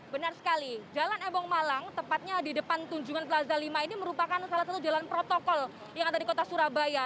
benar sekali jalan ebong malang tepatnya di depan tunjungan plaza lima ini merupakan salah satu jalan protokol yang ada di kota surabaya